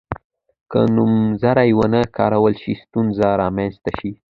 که نومځري ونه کارول شي ستونزه رامنځته شي.